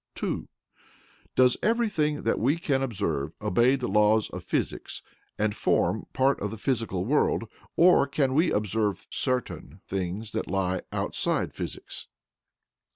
(2) Does everything that we can observe obey the laws of physics and form part of the physical world, or can we observe certain things that lie outside physics?